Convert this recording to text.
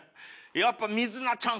やっぱ水菜ちゃん